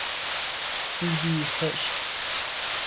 بیبی خشت